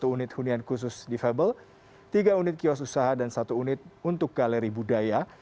satu unit hunian khusus difabel tiga unit kios usaha dan satu unit untuk galeri budaya